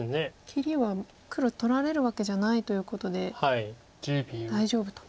切りは黒取られるわけじゃないということで大丈夫と。